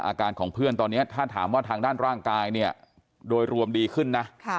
อาการของเพื่อนตอนนี้ถ้าถามว่าทางด้านร่างกายเนี่ยโดยรวมดีขึ้นนะ